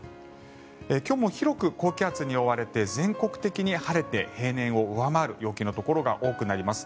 今日も広く高気圧に覆われて全国的に晴れて平年を上回る陽気のところが多くなります。